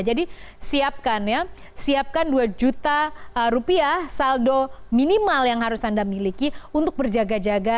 jadi siapkan ya siapkan dua juta rupiah saldo minimal yang harus anda miliki untuk berjaga jaga